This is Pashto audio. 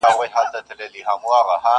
نورې خبري وکړي خو ذهن نه پرېږدي